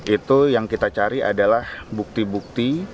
itu yang kita cari adalah bukti bukti